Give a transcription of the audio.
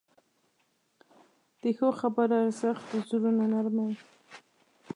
د ښو خبرو ارزښت زړونه نرموې.